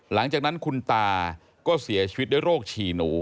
หลังจากนั้นคุณตาก็เสียชีวิตด้วยโรคฉี่หนู